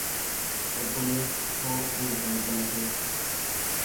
Obboleessi koo bula galgala keessa.